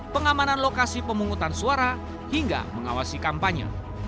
pengamanan lokasi pemungutan suara hingga mengawasi kampanye